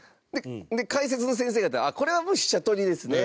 解説の先生方が「これは、もう飛車取りですね」